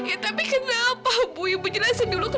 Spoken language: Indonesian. iya tapi kenapa bu ibu jelasin dulu kenapa